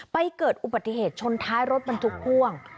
ไปเกิดอุปสรรพย์ชนท้ายรถมาทุกห่วง